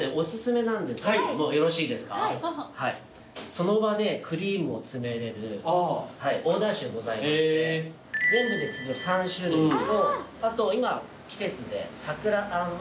その場でクリームを詰めれるオーダーシューございまして全部で通常３種類とあと今季節で桜あんの